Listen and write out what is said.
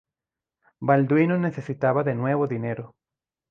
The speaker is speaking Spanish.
Balduino necesitaba de nuevo dinero.